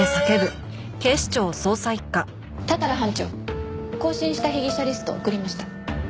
多々良班長更新した被疑者リスト送りました。